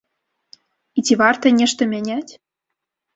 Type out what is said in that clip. І ці варта нешта мяняць?